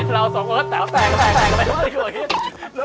เราสองเอิ้นแต่ว้าแสงก็แสงกันไป